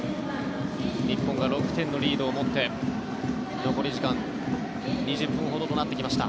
日本が６点のリードを持って残り時間２０分ほどとなってきました。